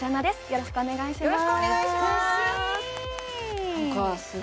よろしくお願いします